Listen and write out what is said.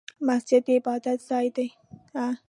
مسجد د عبادت ځای دی